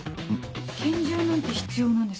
拳銃なんて必要なんですか？